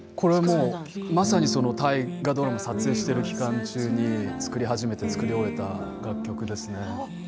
まさに大河ドラマを撮影している期間中に初めて作り終えた楽曲ですね。